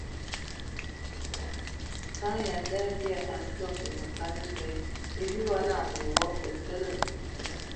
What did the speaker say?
Ntaɛn ya ndabiaŋ atɔm anə kan ebɛ :e wi wa naŋ ai e wi o tələ.